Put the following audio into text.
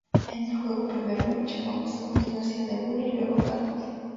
En el juego, primero lucha Magus, a continuación, Nebula, y luego Thanos.